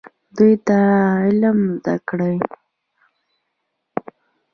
دوی ته علم زده کړئ